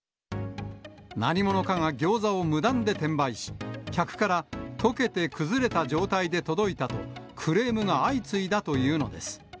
何者かがギョーザを無断で転売し、客からとけて崩れた状態で届いたと、クレームが相次いだというのです。